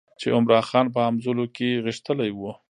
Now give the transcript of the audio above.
چې عمرا خان په همزولو کې غښتلی وو.